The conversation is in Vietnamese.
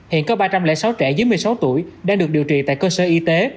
hiện có ba trăm linh sáu trẻ dưới một mươi sáu tuổi đang được điều trị tại cơ sở y tế